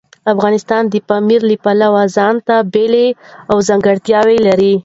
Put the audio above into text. افغانستان د پامیر له پلوه ځانته بېلې او ځانګړتیاوې لري.